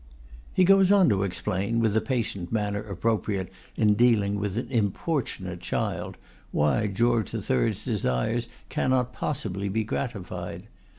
He goes on to explain, with the patient manner appropriate in dealing with an importunate child, why George III's desires cannot possibly be gratified.